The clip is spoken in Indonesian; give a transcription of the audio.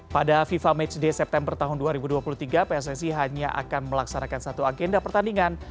pada fifa matchday september tahun dua ribu dua puluh tiga pssi hanya akan melaksanakan satu agenda pertandingan